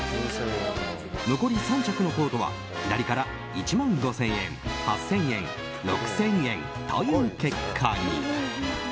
残り３着のコートは左から１万５０００円８０００円、６０００円という結果に。